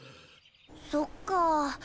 そっかあ。